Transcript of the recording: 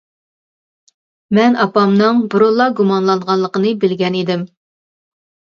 مەن ئاپامنىڭ بۇرۇنلا گۇمانلانغانلىقىنى بىلگەن ئىدىم.